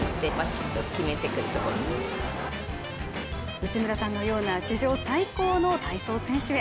内村さんのような史上最高の体操選手へ。